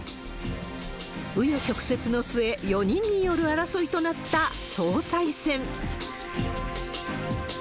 う余曲折の末、４人による争いとなった総裁選。